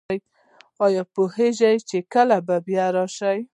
ایا پوهیږئ چې کله باید راشئ؟